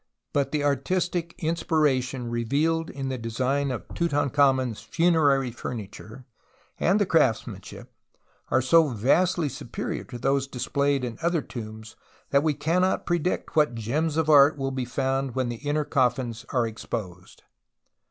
But the artistic inspiration revealed in the design of Tutankhamen's funerary furniture and the craftsmanship are so vastly superior to those displayed in other tombs that we cannot predict what gems of art will be found when the inner coffins are exposed.